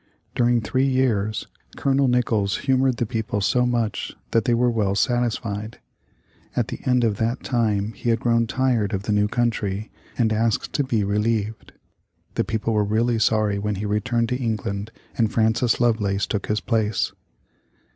During three years Colonel Nicolls humored the people so much that they were well satisfied. At the end of that time he had grown tired of the new country, and asked to be relieved. The people were really sorry when he returned to England and Francis Lovelace took his place.